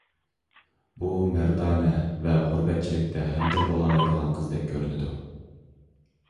بۇ مەردانە ۋە غۇربەتچىلىكتە ھەمدەم بولالايدىغان قىزدەك كۆرۈنىدۇ.